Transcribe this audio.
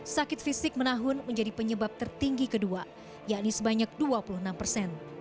sakit fisik menahun menjadi penyebab tertinggi kedua yakni sebanyak dua puluh enam persen